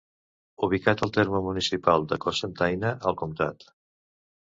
Ubicat al terme municipal de Cocentaina, al Comtat.